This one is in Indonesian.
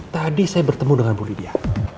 tadi saya bertemu dengan bu lidia